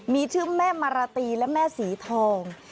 มีชื่อแม่มาราตรีและแม่สีทอง